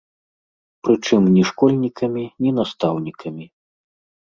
Прычым ні школьнікамі, ні настаўнікамі.